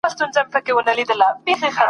لکه سیوری داسي ورک سوم تا لا نه یم پېژندلی ..